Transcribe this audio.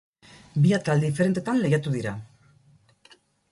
Bi atal diferentetan lehiatu dira.